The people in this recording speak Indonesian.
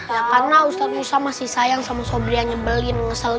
ya karena ustadz mursa masih sayang sama sobri yang nyebelin ngeselin